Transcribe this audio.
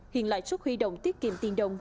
hiện lại suất huy động tiết kiệm tiền đồng